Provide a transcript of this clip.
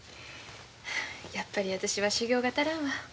やっぱり私は修業が足らんわ。